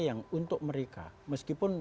yang untuk mereka meskipun